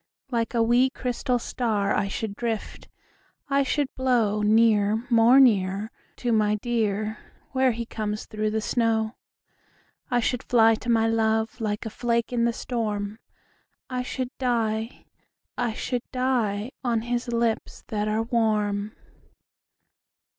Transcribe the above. Like a wee, crystal star I should drift, I should blow Near, more near, To my dear Where he comes through the snow. I should fly to my love Like a flake in the storm, I should die, I should die, On his lips that are warm.